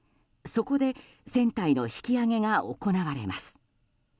そこで船体の引き揚げが行われます。